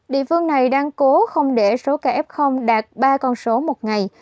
địa phương này đang cố không để số kf đạt ba con số một ngày